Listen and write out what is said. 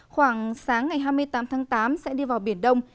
khoảng sáng ngày hai mươi tám tháng tám sẽ đi vào biển đông